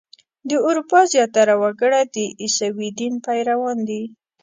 د اروپا زیاتره وګړي د عیسوي دین پیروان دي.